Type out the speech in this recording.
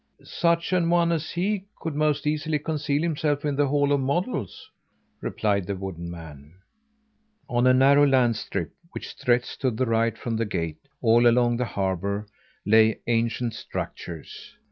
"Such an one as he could most easily conceal himself in the hall of models," replied the wooden man. On a narrow land strip which stretched to the right from the gate, all along the harbour, lay ancient structures.